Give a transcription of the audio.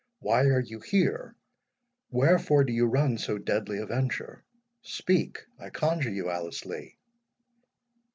why are you here?—wherefore do you run so deadly a venture?—Speak, I conjure you, Alice Lee!"